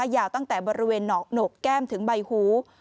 ยาวตั้งแต่บริเวณหนอกหนกแก้มถึงใบหู